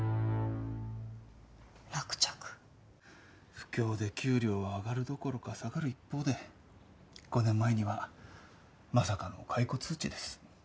不況で給料は上がるどころか下がる一方で５年前にはまさかの解雇通知です。